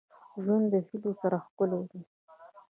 • ژوند د هيلو سره ښکلی دی.